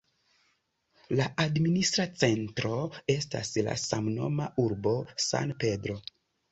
La administra centro estas la samnoma urbo San Pedro.